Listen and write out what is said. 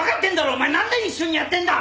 お前何年一緒にやってんだ！